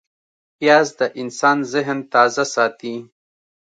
پیاز د انسان ذهن تازه ساتي